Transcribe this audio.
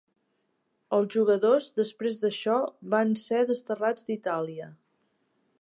Els jugadors, després d'això, van ser desterrats d'Itàlia.